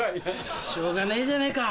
しょうがねえじゃねぇか